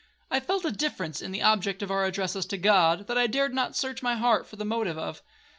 I felt a difference in the object of our addresses to God, that I dared not search my heart for the motive of.